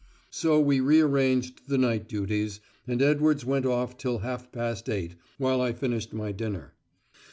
So we rearranged the night duties, and Edwards went off till half past eight, while I finished my dinner.